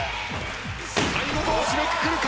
最後どう締めくくるか！？